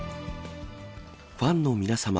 ファンの皆様